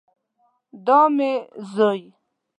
دا مې زوی